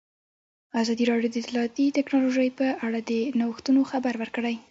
ازادي راډیو د اطلاعاتی تکنالوژي په اړه د نوښتونو خبر ورکړی.